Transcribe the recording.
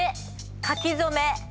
書き初め。